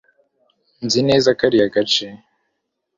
nzi neza kariya gace